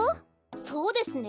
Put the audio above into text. そうですね。